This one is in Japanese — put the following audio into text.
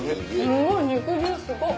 すごい肉汁すごっ。